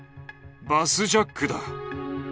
バスジャックだ。